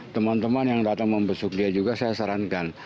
teman teman yang datang membesuk dia juga saya sarankan